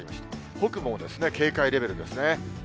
北部もですね、警戒レベルですね。